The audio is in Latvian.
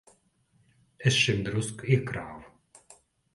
Es šim drusku iekrāvu.